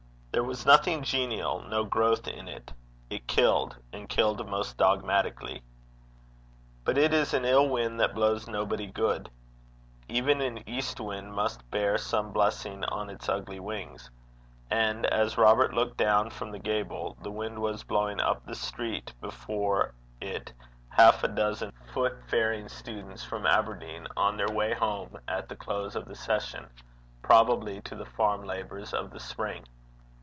There was nothing genial, no growth in it. It killed, and killed most dogmatically. But it is an ill wind that blows nobody good. Even an east wind must bear some blessing on its ugly wings. And as Robert looked down from the gable, the wind was blowing up the street before it half a dozen footfaring students from Aberdeen, on their way home at the close of the session, probably to the farm labours of the spring.